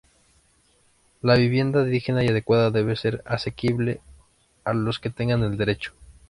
La vivienda digna y adecuada debe ser asequible a los que tengan el derecho.